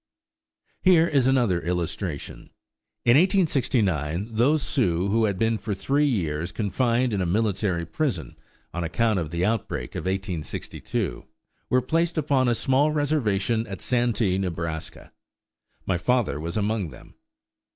Here is another illustration: In 1869 those Sioux who had been for three years confined in a military prison, on account of the outbreak of 1862, were placed upon a small reservation at Santee, Nebraska. My father was among them.